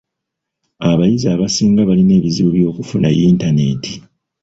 Abayizi abasinga balina ebizibu by'okufuna yintaneeti.